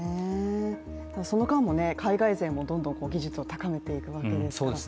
その間も海外勢もどんどん技術を高めていくわけですから。